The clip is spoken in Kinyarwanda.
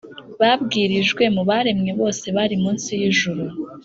bwabwirijwe mu baremwe bose bari munsi y’ijuru